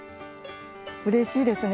うれしいですね。